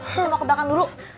saya mau ke belakang dulu